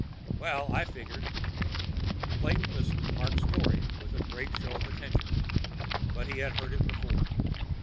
Well, I figured—" Clayton listened to Parks' story with a great show of attention, but he had heard it before.